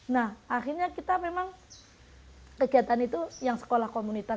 nah akhirnya kita memang kegiatan itu yang sekolah komunitas